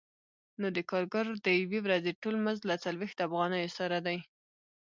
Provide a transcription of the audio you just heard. نو د کارګر د یوې ورځې ټول مزد له څلوېښت افغانیو سره دی